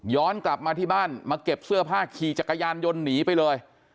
กลับมาที่บ้านมาเก็บเสื้อผ้าขี่จักรยานยนต์หนีไปเลย